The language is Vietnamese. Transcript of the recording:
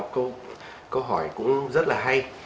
vâng câu hỏi cũng rất là hay